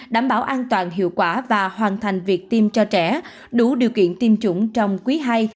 đảm bảo an toàn hiệu quả và hoàn thành việc tiêm cho trẻ đủ điều kiện tiêm chủng trong quý ii